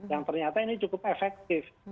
yang ternyata ini cukup efektif